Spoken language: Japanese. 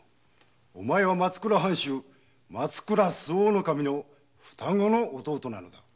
お前は松倉藩主松倉周防守の双子の弟なのだ。